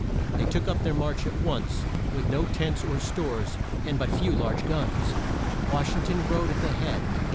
They took up their march at once, with no tents or stores, and but few large guns. Wash ing ton rode at the head.